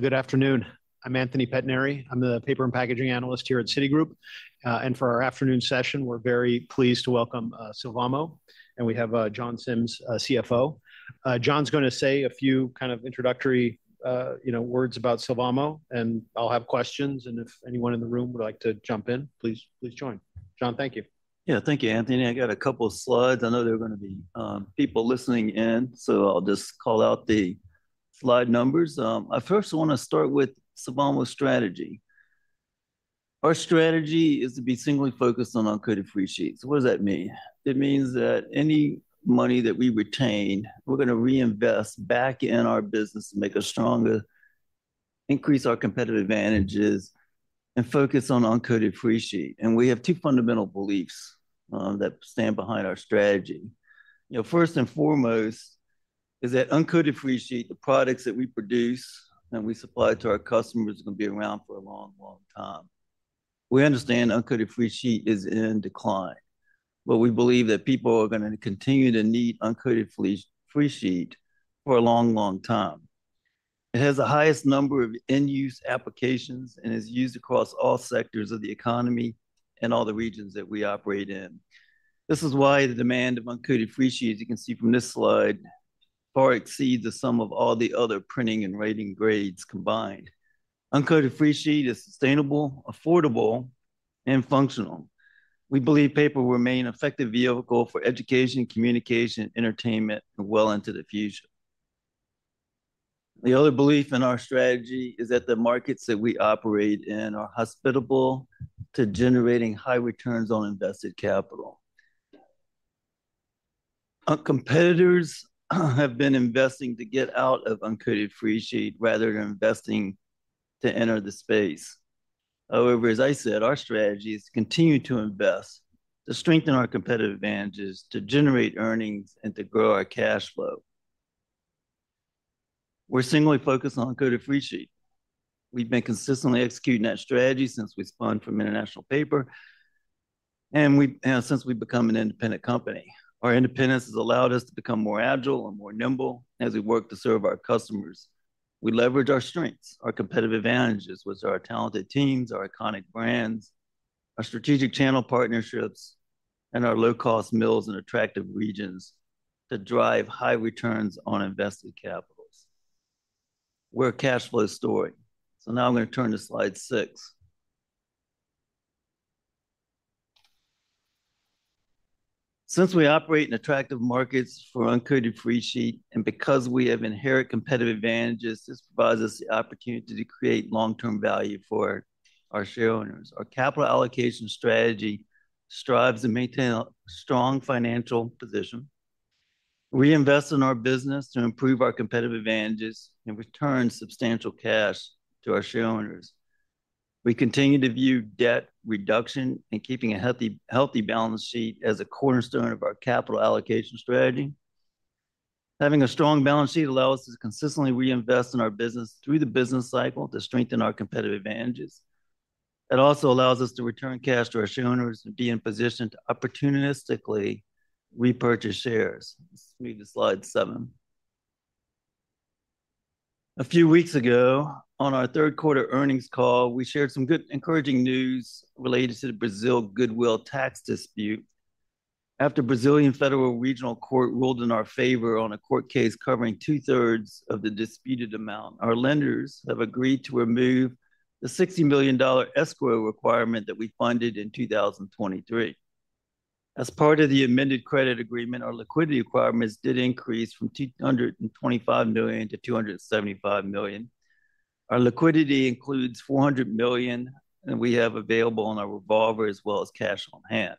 Good afternoon. I'm Anthony Pettinari. I'm the paper and packaging analyst here at Citigroup, and for our afternoon session, we're very pleased to welcome Sylvamo, and we have John Sims, CFO. John's going to say a few kind of introductory words about Sylvamo, and I'll have questions, and if anyone in the room would like to jump in, please join. John, thank you. Yeah, thank you, Anthony. I got a couple of slides. I know there are going to be people listening in, so I'll just call out the slide numbers. I first want to start with Sylvamo's strategy. Our strategy is to be singly focused on uncoated freesheet. What does that mean? It means that any money that we retain, we're going to reinvest back in our business to make us stronger, increase our competitive advantages, and focus on uncoated freesheet. And we have two fundamental beliefs that stand behind our strategy. First and foremost is that uncoated freesheet, the products that we produce and we supply to our customers, are going to be around for a long, long time. We understand uncoated freesheet is in decline, but we believe that people are going to continue to need uncoated freesheet for a long, long time. It has the highest number of end-use applications and is used across all sectors of the economy and all the regions that we operate in. This is why the demand of uncoated freesheet, as you can see from this slide, far exceeds the sum of all the other printing and writing grades combined. Uncoated freesheet is sustainable, affordable, and functional. We believe paper will remain an effective vehicle for education, communication, entertainment, and well into the future. The other belief in our strategy is that the markets that we operate in are hospitable to generating high returns on invested capital. Our competitors have been investing to get out of uncoated freesheet rather than investing to enter the space. However, as I said, our strategy is to continue to invest, to strengthen our competitive advantages, to generate earnings, and to grow our cash flow. We're singly focused on uncoated freesheet. We've been consistently executing that strategy since we spun from International Paper and since we've become an independent company. Our independence has allowed us to become more agile and more nimble as we work to serve our customers. We leverage our strengths, our competitive advantages, which are our talented teams, our iconic brands, our strategic channel partnerships, and our low-cost mills in attractive regions to drive high returns on invested capital. We're a cash flow story. So now I'm going to turn to slide six. Since we operate in attractive markets for uncoated freesheet and because we have inherent competitive advantages, this provides us the opportunity to create long-term value for our shareholders. Our capital allocation strategy strives to maintain a strong financial position, reinvest in our business to improve our competitive advantages, and return substantial cash to our shareholders. We continue to view debt reduction and keeping a healthy balance sheet as a cornerstone of our capital allocation strategy. Having a strong balance sheet allows us to consistently reinvest in our business through the business cycle to strengthen our competitive advantages. It also allows us to return cash to our shareholders and be in position to opportunistically repurchase shares. Let's move to slide seven. A few weeks ago, on our third quarter earnings call, we shared some good encouraging news related to the Brazil goodwill tax dispute. After Brazilian Federal Regional Court ruled in our favor on a court case covering 2/3 of the disputed amount, our lenders have agreed to remove the $60 million escrow requirement that we funded in 2023. As part of the amended credit agreement, our liquidity requirements did increase from $225 million to $275 million. Our liquidity includes $400 million that we have available on our revolver as well as cash on hand.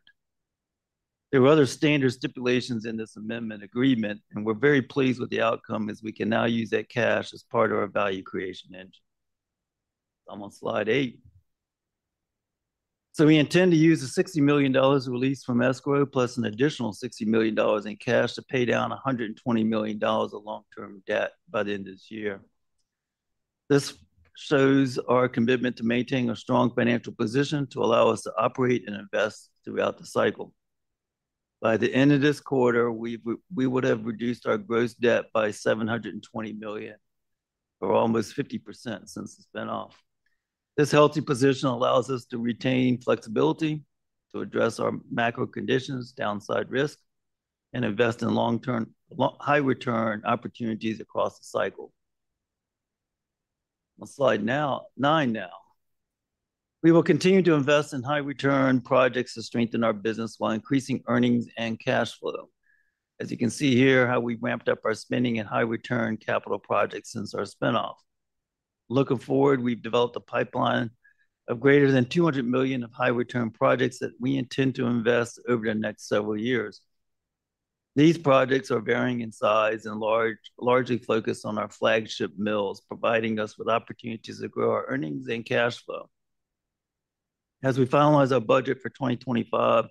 There are other standard stipulations in this amendment agreement, and we're very pleased with the outcome as we can now use that cash as part of our value creation engine. I'm on slide eight. We intend to use the $60 million released from escrow plus an additional $60 million in cash to pay down $120 million of long-term debt by the end of this year. This shows our commitment to maintaining a strong financial position to allow us to operate and invest throughout the cycle. By the end of this quarter, we would have reduced our gross debt by $720 million, or almost 50% since the spinoff. This healthy position allows us to retain flexibility to address our macro conditions, downside risk, and invest in long-term high-return opportunities across the cycle. On slide nine now, we will continue to invest in high-return projects to strengthen our business while increasing earnings and cash flow. As you can see here, how we've ramped up our spending in high-return capital projects since our spinoff. Looking forward, we've developed a pipeline of greater than $200 million of high-return projects that we intend to invest over the next several years. These projects are varying in size and largely focused on our flagship mills, providing us with opportunities to grow our earnings and cash flow. As we finalize our budget for 2025,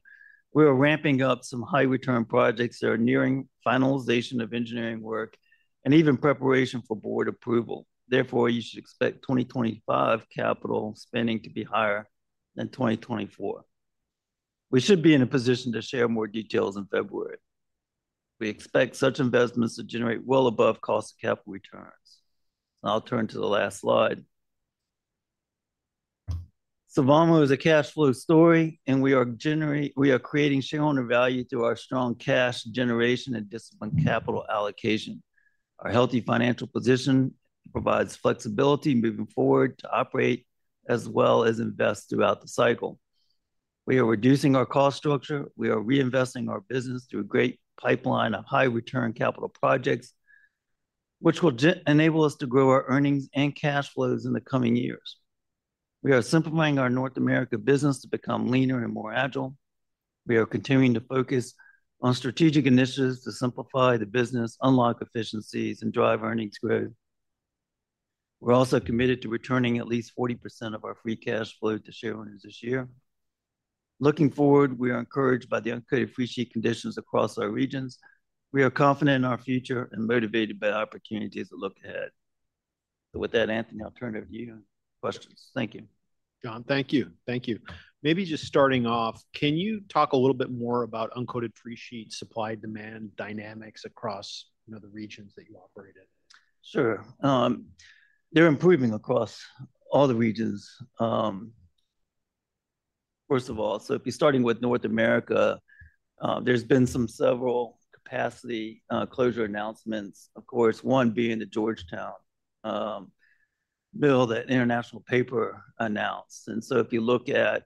we are ramping up some high-return projects that are nearing finalization of engineering work and even preparation for Board approval. Therefore, you should expect 2025 capital spending to be higher than 2024. We should be in a position to share more details in February. We expect such investments to generate well above cost of capital returns. I'll turn to the last slide. Sylvamo is a cash flow story, and we are creating shareholder value through our strong cash generation and disciplined capital allocation. Our healthy financial position provides flexibility moving forward to operate as well as invest throughout the cycle. We are reducing our cost structure. We are reinvesting our business through a great pipeline of high-return capital projects, which will enable us to grow our earnings and cash flows in the coming years. We are simplifying our North America business to become leaner and more agile. We are continuing to focus on strategic initiatives to simplify the business, unlock efficiencies, and drive earnings growth. We're also committed to returning at least 40% of our free cash flow to shareholders this year. Looking forward, we are encouraged by the uncoated freesheet conditions across our regions. We are confident in our future and motivated by opportunities to look ahead. So with that, Anthony, I'll turn it to you and questions. Thank you. John, thank you. Thank you. Maybe just starting off, can you talk a little bit more about uncoated freesheet supply-demand dynamics across the regions that you operate in? Sure. They're improving across all the regions. First of all, so if you're starting with North America, there's been several capacity closure announcements, of course, one being the Georgetown mill that International Paper announced. And so if you look at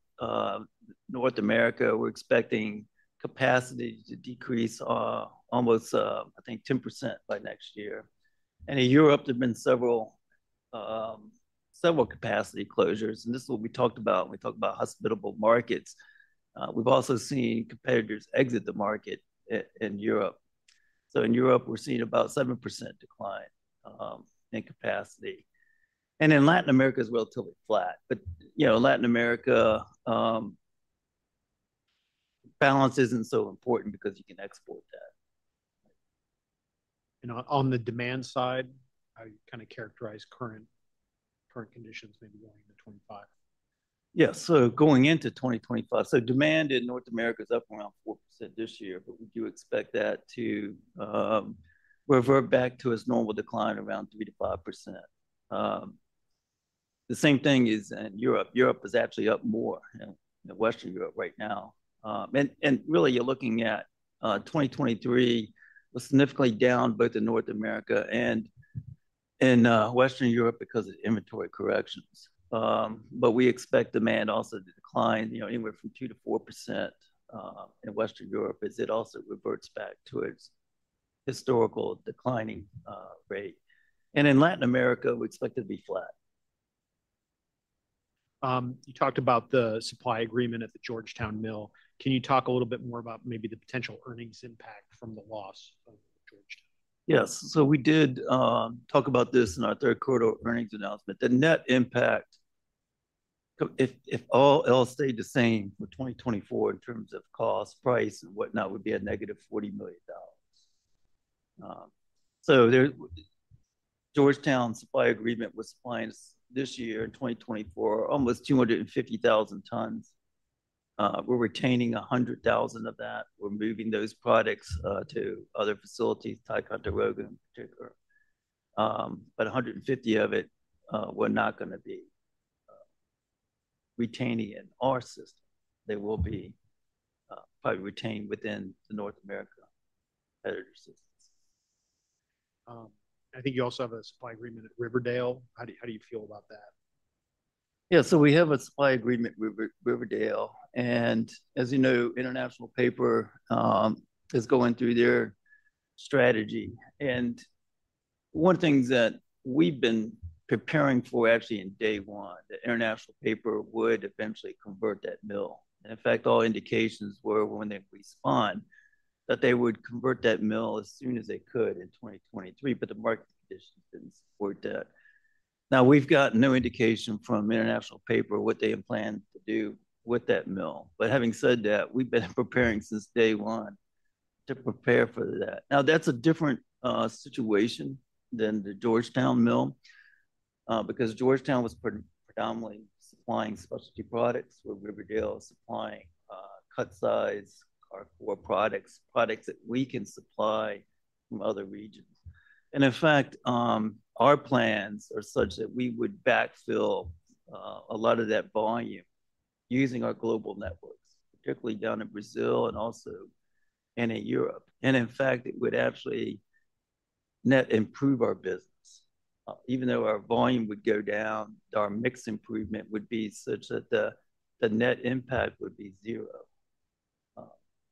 North America, we're expecting capacity to decrease almost, I think, 10% by next year. And in Europe, there have been several capacity closures. And this is what we talked about when we talked about hospitable markets. We've also seen competitors exit the market in Europe. So in Europe, we're seeing about 7% decline in capacity. And in Latin America, it's relatively flat. But Latin America balance isn't so important because you can export that. On the demand side, how do you kind of characterize current conditions, maybe going into 2025? Yeah, so going into 2025, so demand in North America is up around 4% this year, but we do expect that to revert back to its normal decline around 3%-5%. The same thing is in Europe. Europe is actually up more, and Western Europe right now, and really, you're looking at 2023 was significantly down both in North America and in Western Europe because of inventory corrections, but we expect demand also to decline anywhere from 2%-4% in Western Europe as it also reverts back to its historical declining rate, and in Latin America, we expect it to be flat. You talked about the supply agreement at the Georgetown mill. Can you talk a little bit more about maybe the potential earnings impact from the loss of Georgetown? Yes. So we did talk about this in our third quarter earnings announcement. The net impact, if all else stayed the same for 2024 in terms of cost, price, and whatnot, would be -$40 million. So Georgetown supply agreement was supplying this year in 2024 almost 250,000 tons. We're retaining 100,000 of that. We're moving those products to other facilities, Ticonderoga in particular. But 150 of it, we're not going to be retaining in our system. They will be probably retained within the North America competitor system. I think you also have a supply agreement at Riverdale. How do you feel about that? Yeah, so we have a supply agreement with Riverdale. And as you know, International Paper is going through their strategy. And one of the things that we've been preparing for, actually in day one, that International Paper would eventually convert that mill. And in fact, all indications were when they respond that they would convert that mill as soon as they could in 2023, but the market conditions didn't support that. Now, we've got no indication from International Paper what they intend to do with that mill. But having said that, we've been preparing since day one to prepare for that. Now, that's a different situation than the Georgetown mill because Georgetown was predominantly supplying specialty products, where Riverdale is supplying cut-size paper products, products that we can supply from other regions. And in fact, our plans are such that we would backfill a lot of that volume using our global networks, particularly down in Brazil and also in Europe. And in fact, it would actually net improve our business. Even though our volume would go down, our mix improvement would be such that the net impact would be zero,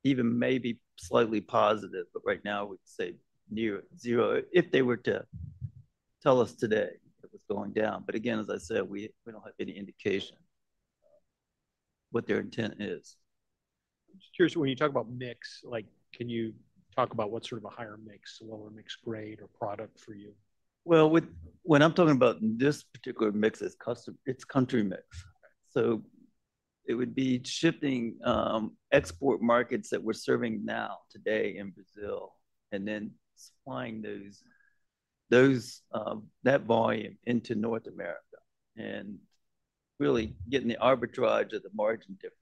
even maybe slightly positive, but right now we'd say near zero if they were to tell us today it was going down. But again, as I said, we don't have any indication of what their intent is. I'm just curious, when you talk about mix, can you talk about what sort of a higher mix, lower mix grade or product for you? When I'm talking about this particular mix, it's country mix. So it would be shipping export markets that we're serving now today in Brazil and then supplying that volume into North America and really getting the arbitrage of the margin difference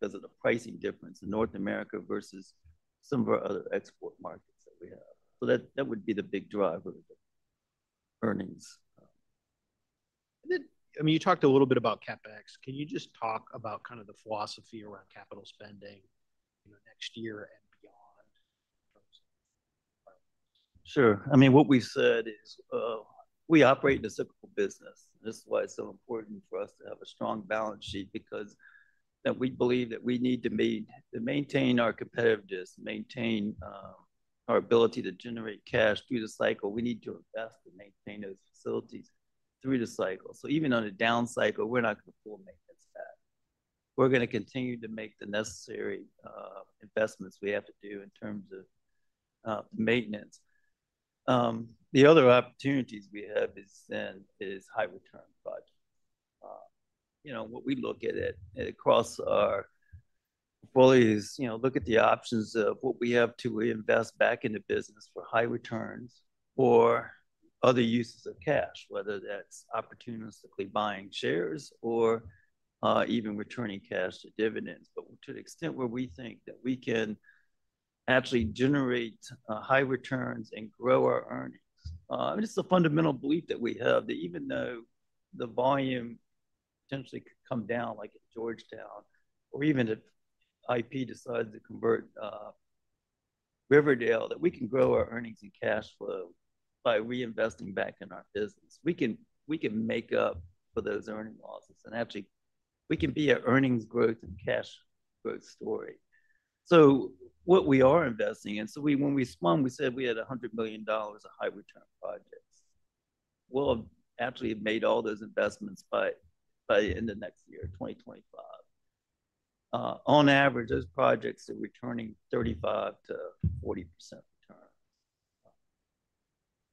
because of the pricing difference in North America versus some of our other export markets that we have. So that would be the big driver of the earnings. I mean, you talked a little bit about CapEx. Can you just talk about kind of the philosophy around capital spending next year and beyond? Sure. I mean, what we said is we operate in a cyclical business. This is why it's so important for us to have a strong balance sheet because we believe that we need to maintain our competitiveness, maintain our ability to generate cash through the cycle. We need to invest and maintain those facilities through the cycle. So even on a down cycle, we're not going to pull maintenance back. We're going to continue to make the necessary investments we have to do in terms of maintenance. The other opportunities we have is high return projects. What we look at across our portfolio is look at the options of what we have to invest back into business for high returns or other uses of cash, whether that's opportunistically buying shares or even returning cash to dividends. But to the extent where we think that we can actually generate high returns and grow our earnings, I mean, it's the fundamental belief that we have that even though the volume potentially could come down like at Georgetown or even if IP decides to convert Riverdale, that we can grow our earnings and cash flow by reinvesting back in our business. We can make up for those earning losses. And actually, we can be an earnings growth and cash growth story. So what we are investing in, so when we spun, we said we had $100 million of high return projects. We'll actually have made all those investments by the end of next year, 2025. On average, those projects are returning 35%-40% returns.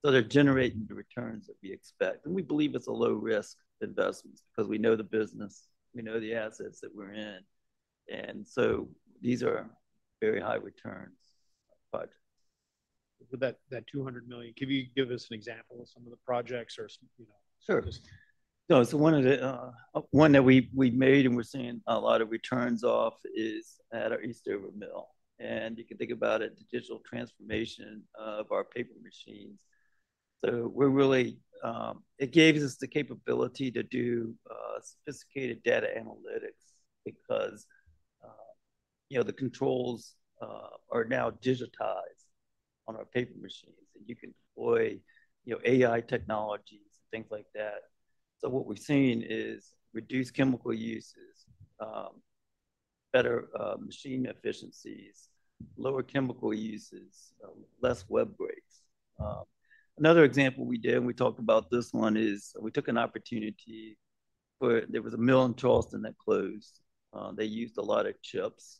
So they're generating the returns that we expect. We believe it's a low-risk investment because we know the business, we know the assets that we're in. So these are very high return projects. That $200 million, can you give us an example of some of the projects or? Sure. So one that we made and we're seeing a lot of returns off is at our Eastover mill, and you can think about it, the digital transformation of our paper machines. So it gave us the capability to do sophisticated data analytics because the controls are now digitized on our paper machines, and you can deploy AI technologies and things like that. So what we're seeing is reduced chemical uses, better machine efficiencies, lower chemical uses, less web breaks. Another example we did, and we talked about this one, is we took an opportunity for there was a mill in Charleston that closed. They used a lot of chips.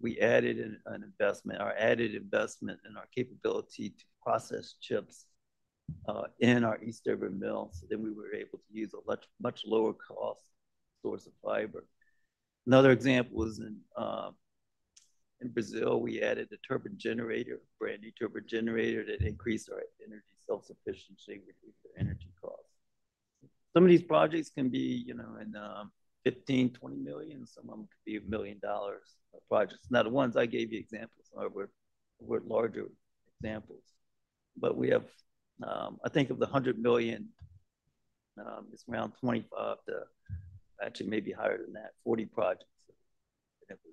We added an investment, our added investment in our capability to process chips in our Eastover mill. So then we were able to use a much lower cost source of fiber. Another example was in Brazil. We added a turbine generator, a brand new turbine generator that increased our energy self-sufficiency, reduced our energy costs. Some of these projects can be $15 million-$20 million. Some of them could be $1 million projects. Now, the ones I gave you examples of were larger examples, but I think of the $100 million, it's around 25 to actually maybe higher than that, 40 projects that we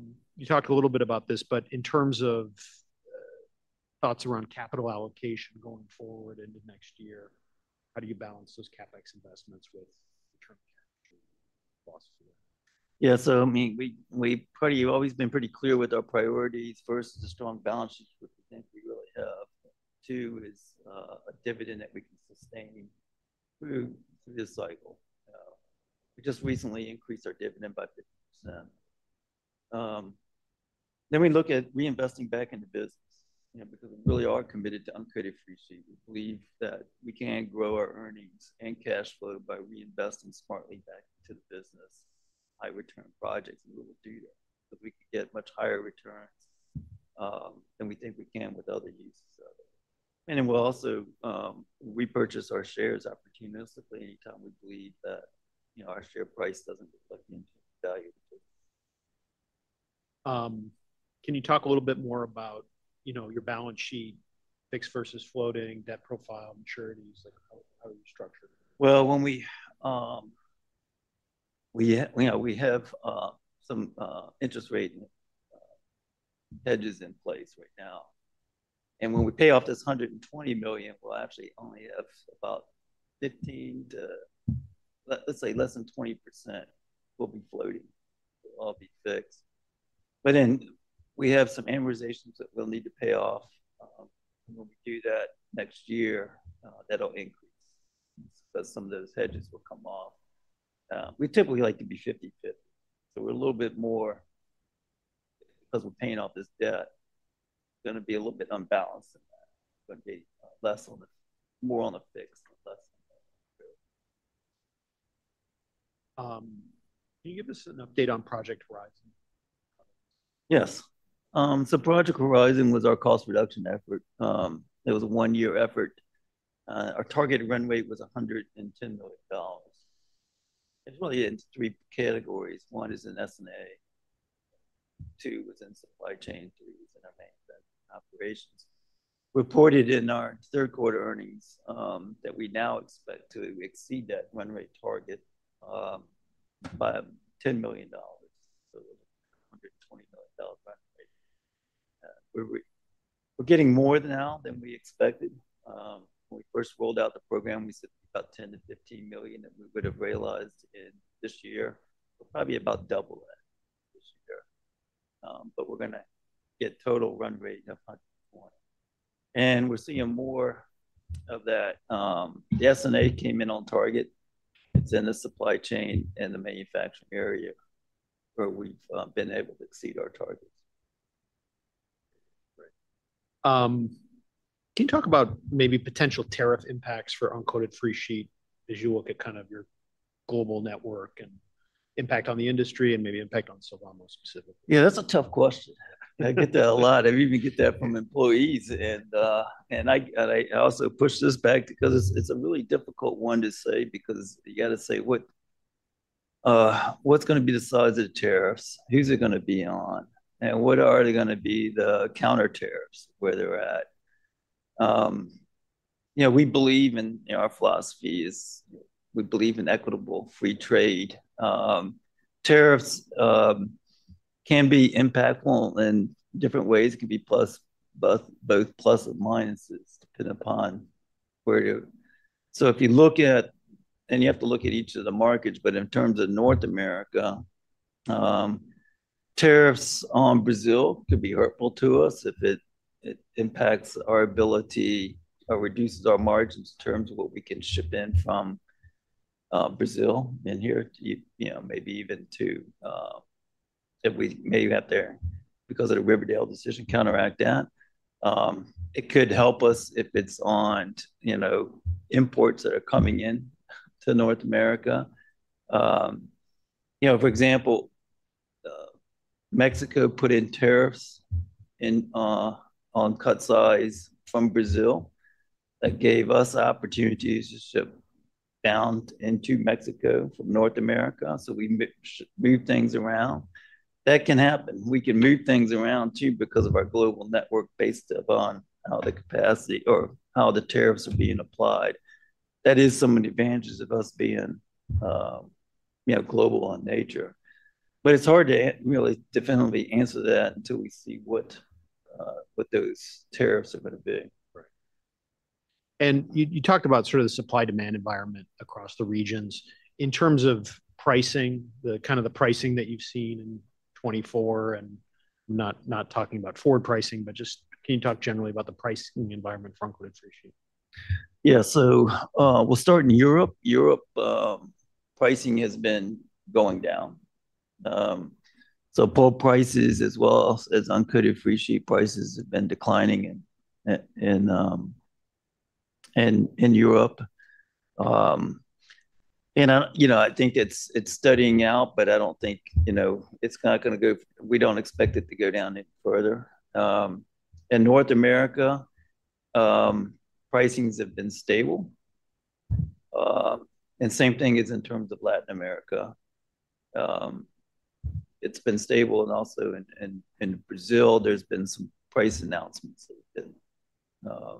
did. You talked a little bit about this, but in terms of thoughts around capital allocation going forward into next year, how do you balance those CapEx investments with return capital philosophy? Yeah, so I mean, we've always been pretty clear with our priorities. First is a strong balance sheet with the things we really have. Two is a dividend that we can sustain through this cycle. We just recently increased our dividend by 50%. Then we look at reinvesting back into business because we really are committed to uncoated freesheet. We believe that we can grow our earnings and cash flow by reinvesting smartly back into the business, high return projects. And we will do that because we can get much higher returns than we think we can with other uses. And then we'll also repurchase our shares opportunistically anytime we believe that our share price doesn't reflect the value of the business. Can you talk a little bit more about your balance sheet, fixed versus floating, debt profile, maturities? How are you structured? We have some interest rate hedges in place right now. When we pay off this $120 million, we'll actually only have about 15% to, let's say, less than 20% will be floating. It'll all be fixed. Then we have some amortizations that we'll need to pay off. When we do that next year, that'll increase because some of those hedges will come off. We typically like to be 50/50. We're a little bit more because we're paying off this debt, going to be a little bit unbalanced in that. It's going to be less on the more on the fixed and less on the float. Can you give us an update on Project Horizon? Yes. So Project Horizon was our cost reduction effort. It was a one-year effort. Our targeted run rate was $110 million. It's really in three categories. One is in S&A, two is in supply chain, three is in our maintenance operations. Reported in our third quarter earnings that we now expect to exceed that run rate target by $10 million. So we'll have $120 million run rate. We're getting more now than we expected. When we first rolled out the program, we said about $10 million-$15 million that we would have realized in this year. We'll probably be about double that this year. But we're going to get total run rate of $120 million. And we're seeing more of that. The S&A came in on target. It's in the supply chain and the manufacturing area where we've been able to exceed our targets. Can you talk about maybe potential tariff impacts for uncoated freesheet as you look at kind of your global network and impact on the industry and maybe impact on Sylvamo specifically? Yeah, that's a tough question. I get that a lot. I've even got that from employees. And I also push this back because it's a really difficult one to say because you got to say, what's going to be the size of the tariffs? Who's it going to be on? And what are they going to be the counter tariffs where they're at? We believe in our philosophy is we believe in equitable free trade. Tariffs can be impactful in different ways. It can be both plus and minuses depending upon where you're. So, if you look at, and you have to look at each of the markets, but in terms of North America, tariffs on Brazil could be hurtful to us if it impacts our ability or reduces our margins in terms of what we can ship in from Brazil in here, maybe even to if we may have there because of the Riverdale decision counteract that. It could help us if it's on imports that are coming in to North America. For example, Mexico put in tariffs on cut size from Brazil that gave us opportunities to ship down into Mexico from North America. So we moved things around. That can happen. We can move things around too because of our global network based upon how the capacity or how the tariffs are being applied. That is some of the advantages of us being global in nature. But it's hard to really definitively answer that until we see what those tariffs are going to be. You talked about sort of the supply-demand environment across the regions. In terms of pricing, the kind of the pricing that you've seen in 2024, and I'm not talking about forward pricing, but just can you talk generally about the pricing environment for uncoated freesheet? Yeah. So we'll start in Europe. Europe pricing has been going down. So pulp prices as well as uncoated freesheet prices have been declining in Europe. And I think it's bottoming out, but I don't think it's not going to go. We don't expect it to go down any further. In North America, pricing has been stable. And same thing is in terms of Latin America. It's been stable. And also in Brazil, there's been some price announcements that have been.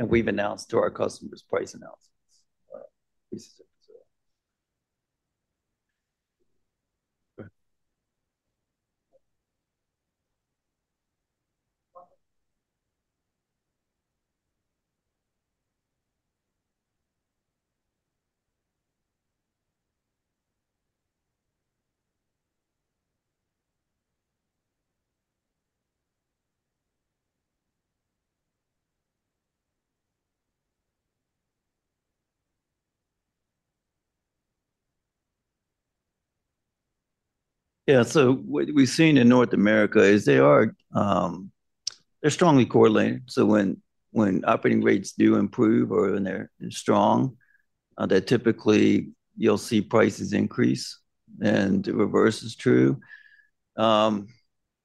And we've announced to our customers price announcements in Brazil. Yeah. So what we've seen in North America is they're strongly correlated. So when operating rates do improve or when they're strong, that typically you'll see prices increase. And the reverse is true.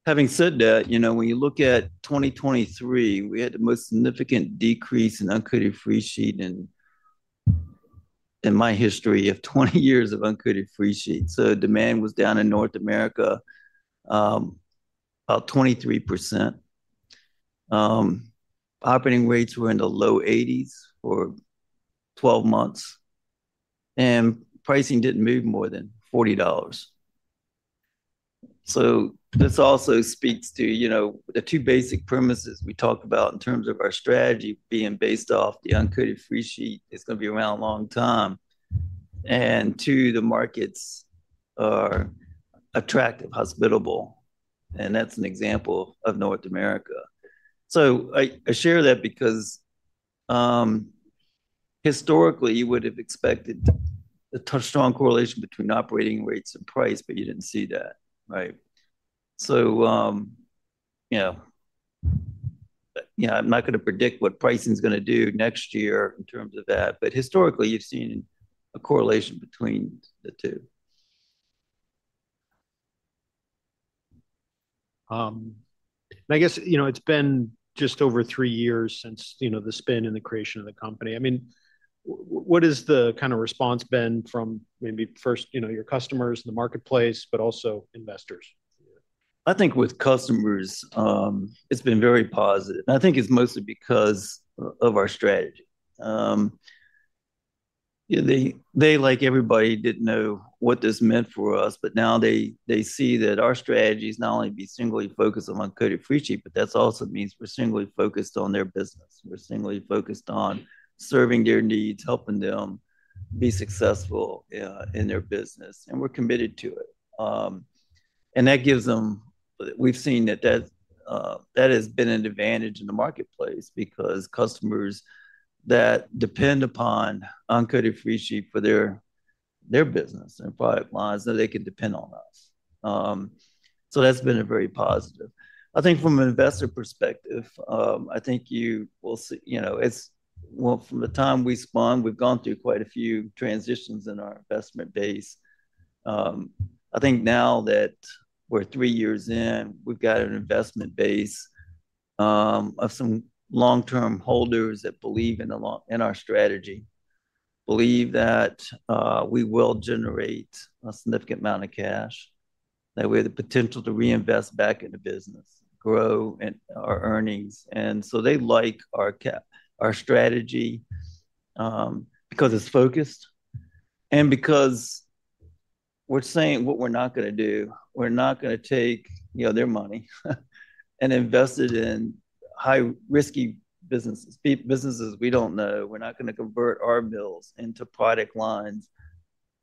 Having said that, when you look at 2023, we had the most significant decrease in uncoated freesheet in my history of 20 years of uncoated freesheet. So demand was down in North America about 23%. Operating rates were in the low 80s for 12 months. And pricing didn't move more than $40. So this also speaks to the two basic premises we talked about in terms of our strategy being based off the uncoated freesheet is going to be around a long time. And two, the markets are attractive, hospitable. And that's an example of North America. So I share that because historically, you would have expected a strong correlation between operating rates and price, but you didn't see that, right? So yeah, I'm not going to predict what pricing is going to do next year in terms of that. But historically, you've seen a correlation between the two. I guess it's been just over three years since the spin and the creation of the company. I mean, what has the kind of response been from maybe first your customers and the marketplace, but also investors? I think with customers, it's been very positive, and I think it's mostly because of our strategy. They, like everybody, didn't know what this meant for us, but now they see that our strategy is not only to be singly focused on uncoated freesheet, but that also means we're singly focused on their business. We're singly focused on serving their needs, helping them be successful in their business, and we're committed to it, and that gives them. We've seen that has been an advantage in the marketplace because customers that depend upon uncoated freesheet for their business and product lines, they can depend on us, so that's been very positive. I think from an investor perspective, I think you will see from the time we spun, we've gone through quite a few transitions in our investor base. I think now that we're three years in, we've got an investment base of some long-term holders that believe in our strategy, believe that we will generate a significant amount of cash, that we have the potential to reinvest back into business, grow our earnings. And so they like our strategy because it's focused and because we're saying what we're not going to do. We're not going to take their money and invest it in high-risk businesses, businesses we don't know. We're not going to convert our mills into product lines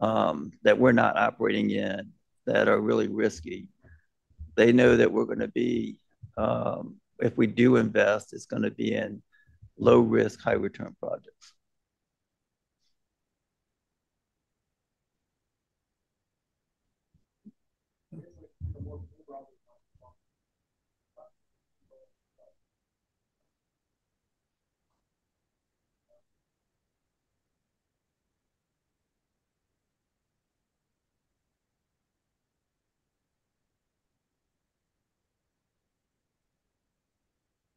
that we're not operating in that are really risky. They know that we're going to be, if we do invest, it's going to be in low-risk, high-return projects.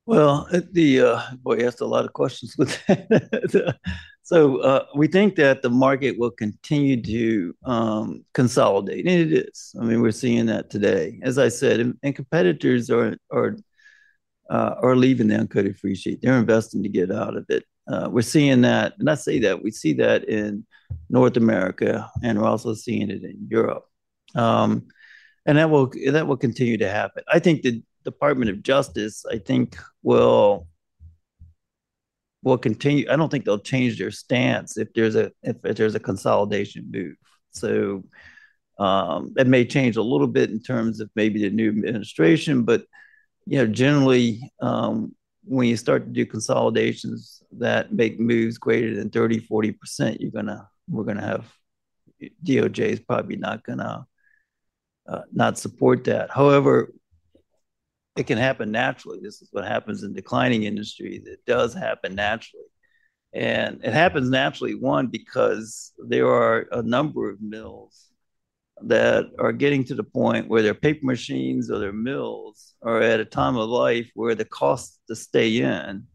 Well, boy, you asked a lot of questions with that. So we think that the market will continue to consolidate. And it is. I mean, we're seeing that today. As I said, and competitors are leaving the uncoated freesheet. They're investing to get out of it. We're seeing that. And I say that. We see that in North America, and we're also seeing it in Europe. And that will continue to happen. I think the Department of Justice, I think, will continue. I don't think they'll change their stance if there's a consolidation move. So it may change a little bit in terms of maybe the new administration. But generally, when you start to do consolidations that make moves greater than 30%, 40%, we're going to have DOJ is probably not going to not support that. However, it can happen naturally. This is what happens in declining industries. It does happen naturally. And it happens naturally, one, because there are a number of mills that are getting to the point where their paper machines or their mills are at a time of life where the cost to stay in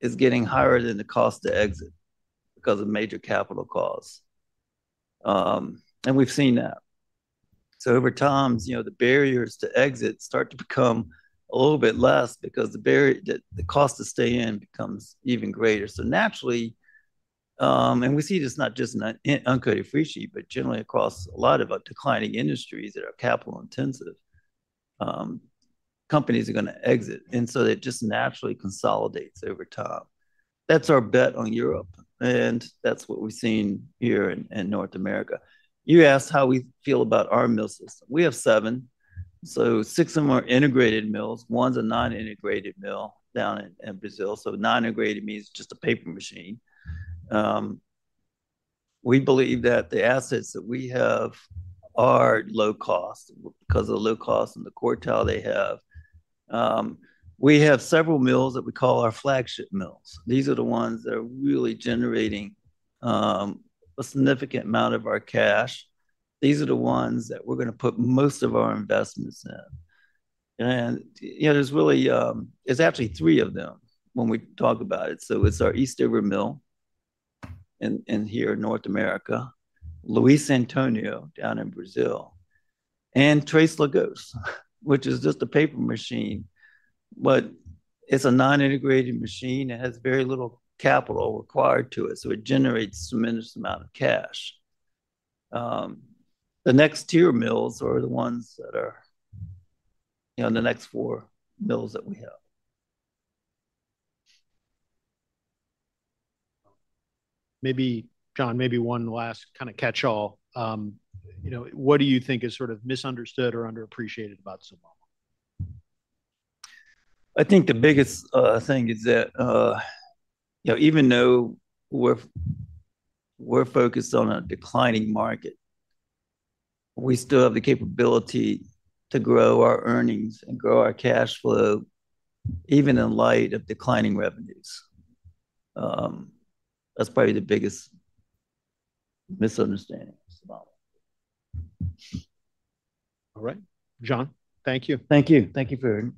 is getting higher than the cost to exit because of major capital costs. And we've seen that. So over time, the barriers to exit start to become a little bit less because the cost to stay in becomes even greater. So naturally, and we see this not just in uncoated freesheet, but generally across a lot of declining industries that are capital-intensive, companies are going to exit. And so it just naturally consolidates over time. That's our bet on Europe. And that's what we've seen here in North America. You asked how we feel about our mill system. We have seven. So six of them are integrated mills. One's a non-integrated mill down in Brazil. So non-integrated means just a paper machine. We believe that the assets that we have are low cost because of the low cost and the quartile they have. We have several mills that we call our flagship mills. These are the ones that are really generating a significant amount of our cash. These are the ones that we're going to put most of our investments in. And there's really actually three of them when we talk about it. So it's our Eastover mill in here, North America, Luiz Antônio down in Brazil, and Três Lagoas, which is just a paper machine. But it's a non-integrated machine. It has very little capital required to it. So it generates a tremendous amount of cash. The next tier mills are the ones that are the next four mills that we have. John, maybe one last kind of catch-all. What do you think is sort of misunderstood or underappreciated about Sylvamo? I think the biggest thing is that even though we're focused on a declining market, we still have the capability to grow our earnings and grow our cash flow even in light of declining revenues. That's probably the biggest misunderstanding of Sylvamo. All right. John, thank you. Thank you. Thank you for.